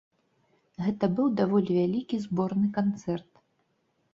Гэта быў даволі вялікі зборны канцэрт.